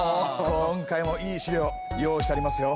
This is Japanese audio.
今回もいい資料用意してありますよ。